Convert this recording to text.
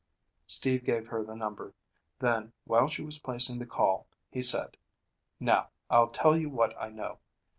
Steve gave her the number. Then, while she was placing the call, he said, "Now, I'll tell you what I know."